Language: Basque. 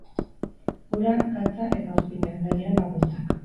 Ura, gatza eta ozpina, nahieran bakoitzak.